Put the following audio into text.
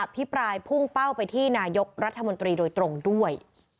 พิปรายพุ่งเป้าไปที่นายกรัฐมนตรีโดยตรงด้วย